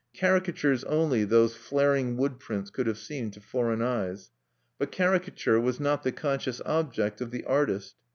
Caricatures only those flaring wood prints could have seemed to foreign eyes. But caricature was not the conscious object of the artist.